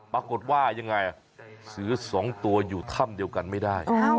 ปรากฏว่ายังไงเสือสองตัวอยู่ถ้ำเดียวกันไม่ได้